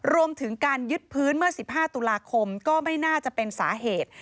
รวมถึงการยึดพื้นเมื่อ๑๕ตุลาคมก็ไม่น่าจะเป็นสาเหตุ